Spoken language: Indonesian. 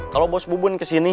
kalau bos bubun kesini